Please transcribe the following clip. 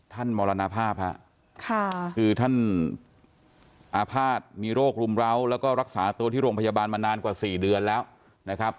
มรณภาพฮะคือท่านอาภาษณ์มีโรครุมร้าวแล้วก็รักษาตัวที่โรงพยาบาลมานานกว่า๔เดือนแล้วนะครับ